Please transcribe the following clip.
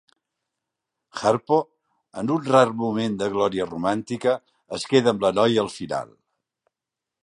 Harpo, en un rar moment de glòria romàntica, es queda amb la noia al final.